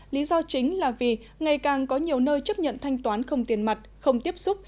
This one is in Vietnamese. lý do chính là vì ngày càng có nhiều nơi chấp nhận thanh toán không tiền mặt không tiếp xúc